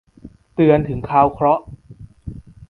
เตือนถึงคราวเคราะห์